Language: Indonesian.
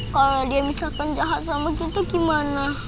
kalau dia misalkan jahat sama kita gimana